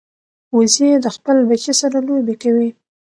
وزې د خپل بچي سره لوبې کوي